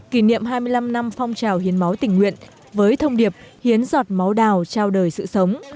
kỷ niệm hai mươi năm năm phong trào hiến máu tình nguyện với thông điệp hiến giọt máu đào trao đời sự sống